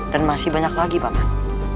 dan masih banyak lagi pangpaman